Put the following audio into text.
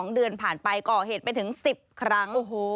๒เดือนผ่านไปก่อเหตุไปถึง๑๐ครั้ง